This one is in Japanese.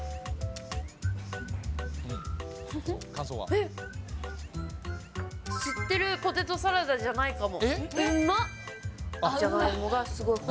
えっ、知ってるポテトサラダじゃないかも。